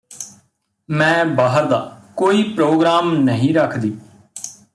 ਮੈਂ ਬਾਹਰ ਦਾ ਕੋਈ ਪ੍ਰੋਗਰਾਮ ਨਹੀਂ ਰੱਖਦੀ